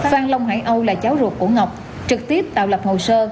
phan long hải âu là cháu ruột của ngọc trực tiếp tạo lập hồ sơ